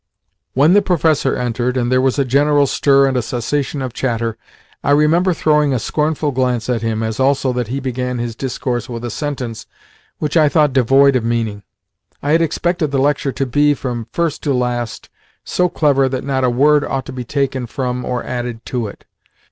When the professor entered, and there was a general stir and a cessation of chatter, I remember throwing a scornful glance at him, as also that he began his discourse with a sentence which I thought devoid of meaning. I had expected the lecture to be, from first to last, so clever that not a word ought to be taken from or added to it.